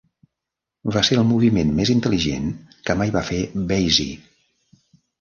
Va ser el moviment més intel·ligent que mai va fer Basie.